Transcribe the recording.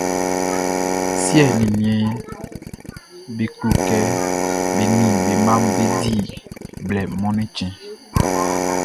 Siɛ ni niɛnʼm be klo kɛ be ni be mmaʼm be di blɛ Mɔnnɛn chtɛnʼn.